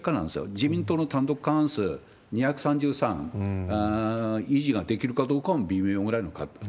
自民党の単独過半数２３３維持ができるかどうかも微妙ぐらいの形